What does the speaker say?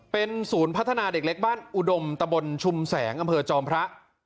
เป็นศูนย์พัฒนาเด็กเล็กบ้านอุดมตะบนชุมแสงอำเภอจอมพระ